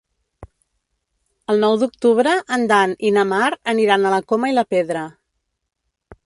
El nou d'octubre en Dan i na Mar aniran a la Coma i la Pedra.